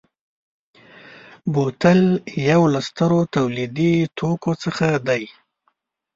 بوتل یو له سترو تولیدي توکو څخه دی.